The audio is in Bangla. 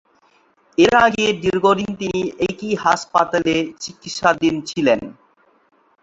এর আগে দীর্ঘদিন তিনি একই হাসপাতালে চিকিৎসাধীন ছিলেন।